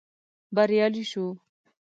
بريالي شوو.